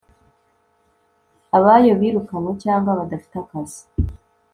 abayo birukanwe cyangwa badafite akazi